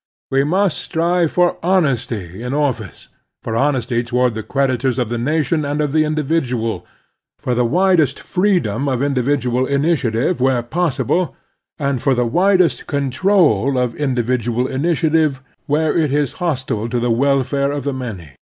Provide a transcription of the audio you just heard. We must strive for honesty in office, for honesty toward the creditors of the nation and of the individual ; for the widest free dom of individual initiative where possible, and for the wisest control of individual initiative where it is hostile to the welfare of the many.